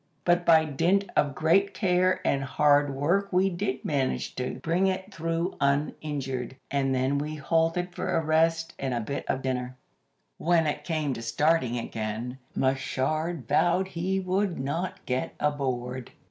But by dint of great care and hard work we did manage to bring it through uninjured, and then we halted for a rest and a bit of dinner. "When it came to starting again, Machard vowed he would not get aboard.